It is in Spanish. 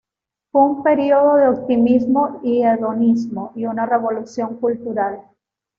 Fue un período de optimismo y hedonismo, y una revolución cultural.